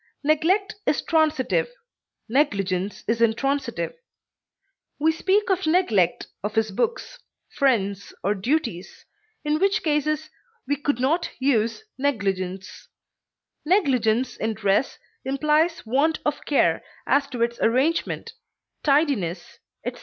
Neglect is transitive, negligence is intransitive; we speak of neglect of his books, friends, or duties, in which cases we could not use negligence; negligence in dress implies want of care as to its arrangement, tidiness, etc.